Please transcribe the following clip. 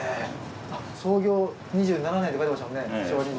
創業２７年って書いてましたもんね。